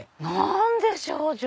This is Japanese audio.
何でしょう？